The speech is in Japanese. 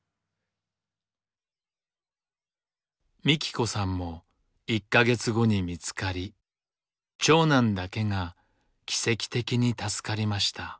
みき子さんも１か月後に見つかり長男だけが奇跡的に助かりました。